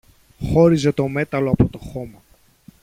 χώριζε το μέταλλο από το χώμα